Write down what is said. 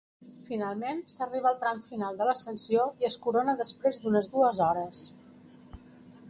Finalment s'arriba al tram final de l'ascensió i es corona després d'unes dues hores.